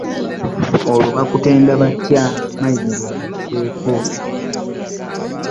Olwo bakutende batya? Mayiga bw'agasseeko